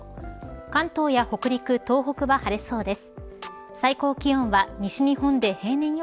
関東や北陸、東北は晴れそうです。